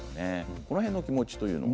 この辺の気持ちというのは？